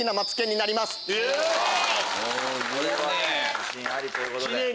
自信ありということで。